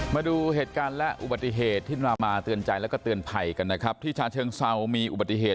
มาดูเหตุการณ์และอุบัติเหตุที่นำมาเตือนใจแล้วก็เตือนภัยกันนะครับที่ชาเชิงเซามีอุบัติเหตุ